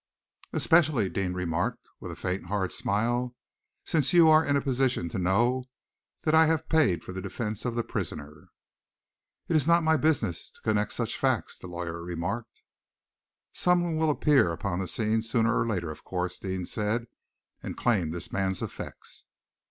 "Especially," Deane remarked, with a faint, hard smile, "since you are in a position to know that I have paid for the defence of the prisoner." "It is not my business to connect such facts," the lawyer remarked. "Someone will appear upon the scene sooner or later, of course," Deane said, "and claim this man's effects."